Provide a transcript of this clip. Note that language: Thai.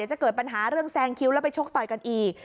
จะเกิดปัญหาเรื่องแซงคิ้วแล้วไปชกต่อยกันอีก